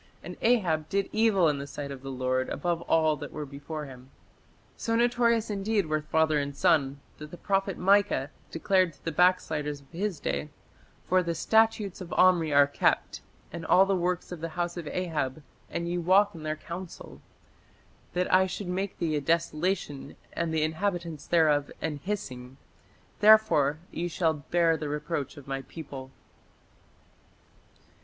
And Ahab ... did evil in the sight of the Lord above all that were before him." So notorious indeed were father and son that the prophet Micah declared to the backsliders of his day, "For the statutes of Omri are kept, and all the works of the house of Ahab, and ye walk in their counsel; that I should make thee a desolation, and the inhabitants thereof an hissing: therefore ye shall bear the reproach of my people".